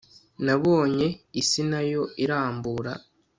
Nabonye isi nayo irambura